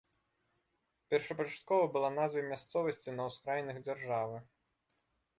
Першапачаткова была назвай мясцовасці на ўскраінах дзяржавы.